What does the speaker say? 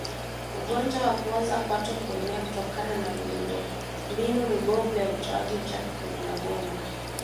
Ugonjwa wa kuoza kwato huenea kutokana na miundombinu mibovu ya utoaji uchafu kwenye maboma